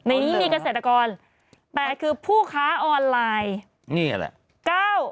ในนี้มีเกษตรกรแปดคือผู้ค้าออนไลน์นี่แหละ